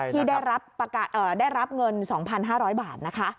ที่ได้รับเงิน๒๕๐๐บาทนะคะ